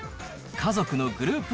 家族のグループ